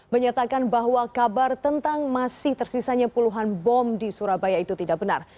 menyatakan bahwa kabar tentang masih tersisanya puluhan bom di surabaya itu tidak benar